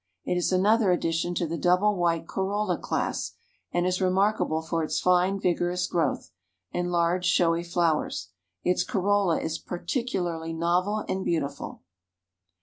"It is another addition to the double white corolla class, and is remarkable for its fine vigorous growth and large showy flowers; its corolla is particularly novel and beautiful."